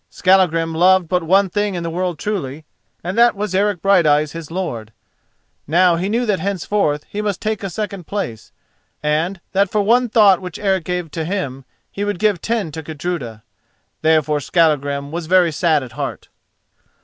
Skallagrim loved but one thing in the world truly, and that was Eric Brighteyes, his lord. Now he knew that henceforth he must take a second place, and that for one thought which Eric gave to him, he would give ten to Gudruda. Therefore Skallagrim was very sad at heart.